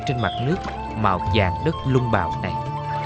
trên mặt nước màu vàng đất lung bào này